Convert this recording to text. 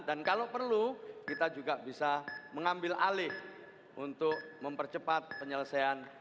dan kalau perlu kita juga bisa mengambil alih untuk mempercepat penyelesaiannya